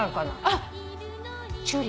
あっ！